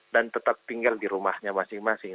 dan tetap tinggal di rumahnya masing masing